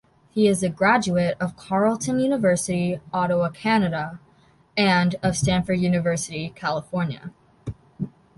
He is a graduate of Carleton University, Ottawa, Canada, and of Stanford University, California.